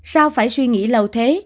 sao phải suy nghĩ lâu thế